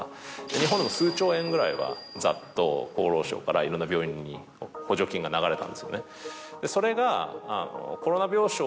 日本でも数兆円ぐらいはざっと厚労省からいろんな病院に補助金が流れたんですよね。